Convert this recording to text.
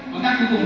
nó cắt cuối cùng